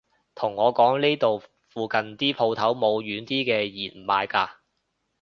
同我講呢度附近啲舖頭冇軟啲嘅弦賣㗎